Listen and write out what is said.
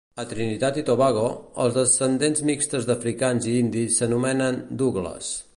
A Trinitat i Tobago, els descendents mixtes d'africans i indis s'anomenen "douglas".